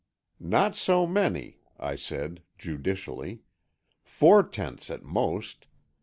"Not so many," I said, judicially: "Four tenths, at most.